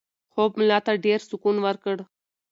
خوب ملا ته ډېر سکون ورکړ.